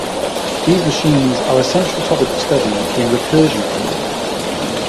These machines are a central topic of study in recursion theory.